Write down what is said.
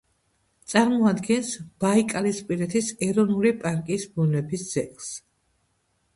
წარმოადგენს ბაიკალისპირეთის ეროვნული პარკის ბუნების ძეგლს.